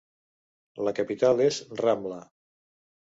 La capital és Ramla.